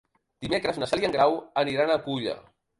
Dimecres na Cel i en Grau aniran a Culla.